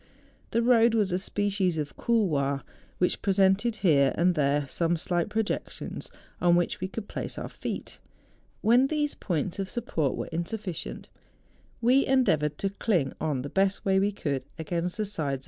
The road was a species of couloir, which presented here and there some slight projec¬ tions on which we could place our feet. When these points of support were insufficient, we endeavoured to cling on the best way we could against the sides THE JUNGFRAU.